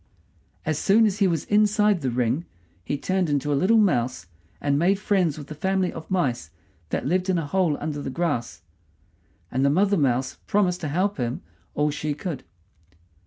As soon as he was inside the ring he turned into a little mouse, and made friends with the family of mice that lived in a hole under the grass; and the mother mouse promised to help him all she could.